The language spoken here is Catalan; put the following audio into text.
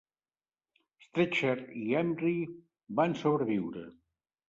Streather i Emvery van sobreviure.